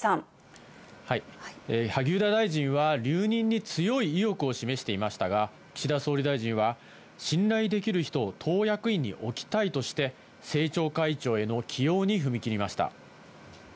萩生田大臣は、留任に強い意欲を示していましたが、岸田総理大臣は、信頼できる人を党役員に置きたいとして、政調会長への起用に踏み切りました。